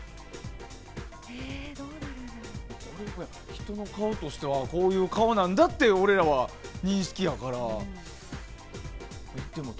人の顔としてはこういう顔なんだって認識やから。